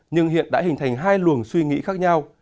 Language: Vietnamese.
nhưng hiện đã hình thành hai luồng suy nghĩ khác nhau